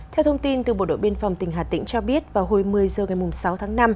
theo thông tin từ bộ đội biên phòng tỉnh hà tĩnh cho biết vào hồi một mươi h ngày sáu tháng năm